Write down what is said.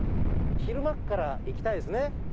昼間っから行きたいですね